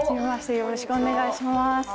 よろしくお願いします。